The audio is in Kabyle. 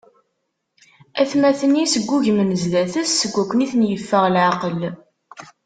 Atmaten-is ggugmen zdat-s, seg wakken i ten-iffeɣ leɛqel.